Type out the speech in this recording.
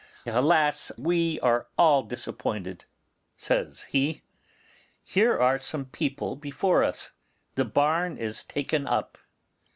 alas! we are all disappointed,' says he. 'Here are some people before us; the barn is taken up.